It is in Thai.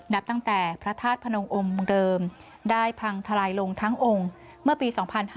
นับตั้งแต่พระธาตุพนมองค์เดิมได้พังทลายลงทั้งองค์เมื่อปี๒๕๕๙